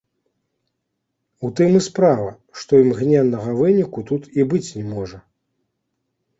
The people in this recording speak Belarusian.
У тым і справа, што імгненнага выніку тут і быць не можа.